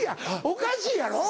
おかしいやろ？